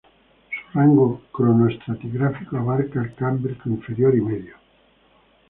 Su rango cronoestratigráfico abarcaba el Cámbrico inferior y medio.